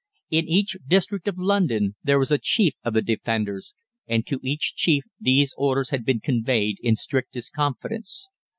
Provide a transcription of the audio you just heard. "In each district of London there is a chief of the Defenders, and to each chief these orders had been conveyed in strictest confidence.